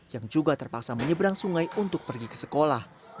yang juga terpaksa menyeberang sungai untuk pergi ke sekolah